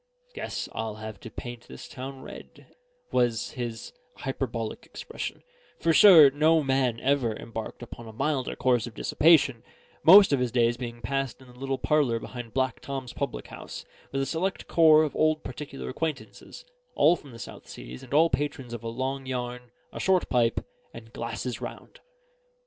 "Guess I'll have to paint this town red," was his hyperbolical expression; for sure no man ever embarked upon a milder course of dissipation, most of his days being passed in the little parlour behind Black Tom's public house, with a select corps of old particular acquaintances, all from the South Seas, and all patrons of a long yarn, a short pipe, and glasses round.